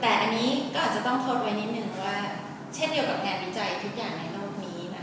แต่อันนี้ก็อาจจะต้องโทษไว้นิดนึงว่าเช่นเดียวกับงานวิจัยทุกอย่างในโลกนี้นะคะ